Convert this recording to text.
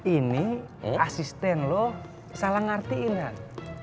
ini asisten lo salah ngertiin han